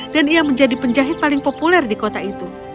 dan ia menjadi penjahit paling populer di kota itu